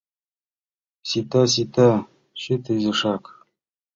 Сита, сита, чыте изишак.